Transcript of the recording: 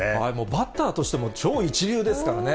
バッターとしても超一流ですからね。